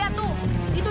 kak tungguin kak